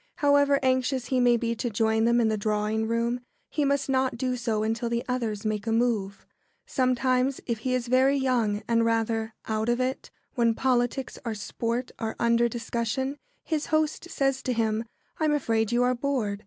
However anxious he may be to join them in the drawing room, he must not do so until the others make a move. Sometimes, if he is very young and rather "out of it" when politics or sport are under discussion, his host says to him, "I'm afraid you are bored.